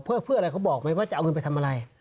เพื่ออะไรเขาบอกไหมว่าจะเอาเงินไปทำอะไร